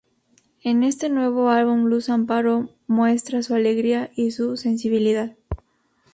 En este nuevo álbum Luz amparo muestra su alegría y su sensibilidad.